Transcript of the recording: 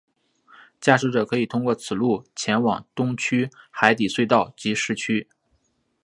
驾驶者可以通过此路前往东区海底隧道及市区。